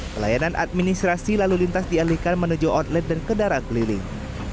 pelayanan administrasi lalu lintas dialihkan menuju outlet dan kendaraan keliling